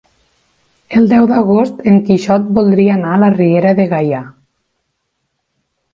El deu d'agost en Quixot voldria anar a la Riera de Gaià.